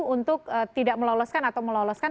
untuk tidak meloloskan atau meloloskan